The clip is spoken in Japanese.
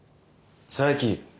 佐伯。